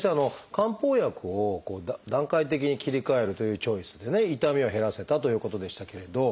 漢方薬を段階的に切り替えるというチョイスで痛みを減らせたということでしたけれど。